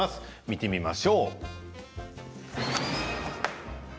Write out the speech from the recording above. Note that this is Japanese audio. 見てみましょう。